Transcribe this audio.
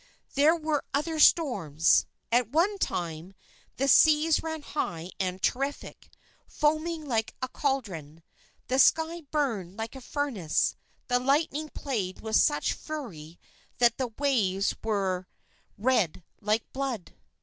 There were other storms. At one time, the seas ran high and terrific, foaming like a caldron. The sky burned like a furnace, the lightning played with such fury that the waves were red like blood.